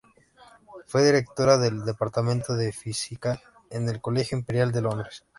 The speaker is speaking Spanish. Fue directora del Departamento de Física en el Colegio Imperial de Londres.